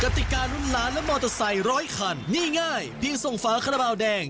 ติการุ้นล้านและมอเตอร์ไซค์ร้อยคันนี่ง่ายเพียงส่งฝาคาราบาลแดง